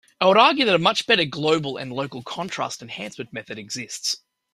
I would argue that much better global and local contrast enhancement methods exist.